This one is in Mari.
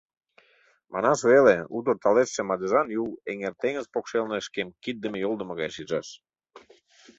Манаш веле, утыр талештше мардежан Юл эҥер-теҥыз покшелне шкем киддыме-йолдымо гай шижаш!